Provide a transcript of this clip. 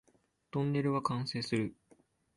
トンネルは完成する